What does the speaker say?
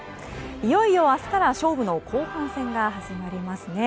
いよいよ明日から勝負の後半戦が始まりますね。